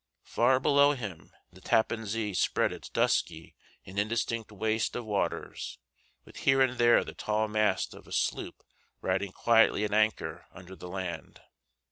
Far below him the Tappan Zee spread its dusky and indistinct waste of waters, with here and there the tall mast of a sloop riding quietly at anchor under the land.